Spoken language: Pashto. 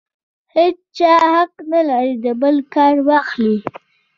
هېچا حق نه لري د بل کار واخلي.